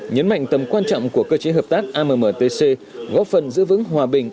nhấn mạnh tầm quan trọng của cơ chế hợp tác ammtc góp phần giữ vững hòa bình